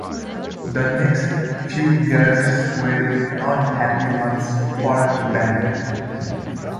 The next few years were not happy ones for the band.